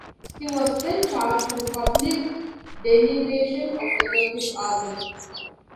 He was then charged with public denigration of the Turkish army.